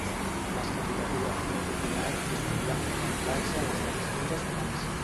Les Candidatures d'Unió Popular discutiran presentar-se a les eleccions estatals.